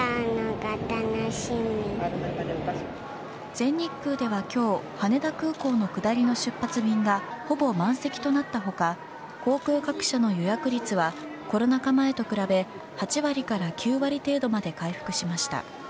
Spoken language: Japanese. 全日空では今日、羽田空港の下りの出発便がほぼ満席となった他航空各社の予約率はコロナ禍前と比べ８割から９割程度まで回復しました。